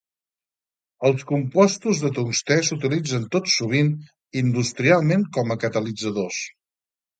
Els compostos de tungstè s'utilitzen tot sovint industrialment com a catalitzadors.